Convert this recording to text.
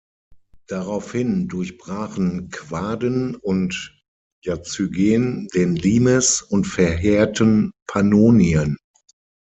Daraufhin durchbrachen Quaden und Jazygen den Limes und verheerten Pannonien.